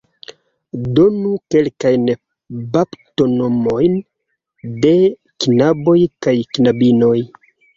Donu kelkajn baptonomojn de knaboj kaj knabinoj.